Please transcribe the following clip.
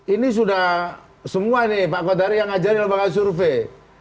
ini sudah semua nih pak kodari yang ngajarin lembaga survei